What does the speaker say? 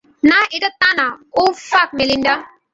না, এটা তা না ওউ, ফাক মেলিন্ডা।